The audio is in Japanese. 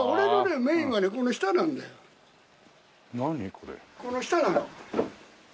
この下なの。